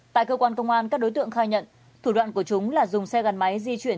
tại cơ quan công an các đối tượng khai nhận thủ đoạn của chúng là dùng xe gắn máy di chuyển